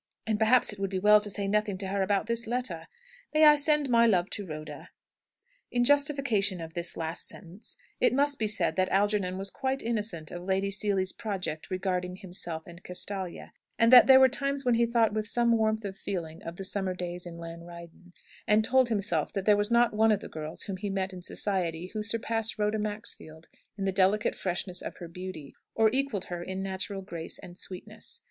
And, perhaps, it would be well to say nothing to her about this letter. May I send my love to Rhoda?" In justification of this last sentence, it must be said that Algernon was quite innocent of Lady Seely's project regarding himself and Castalia; and that there were times when he thought with some warmth of feeling of the summer days in Llanryddan, and told himself that there was not one of the girls whom he met in society who surpassed Rhoda Maxfield in the delicate freshness of her beauty, or equalled her in natural grace and sweetness.